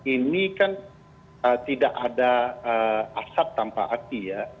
ini kan tidak ada asap tanpa api ya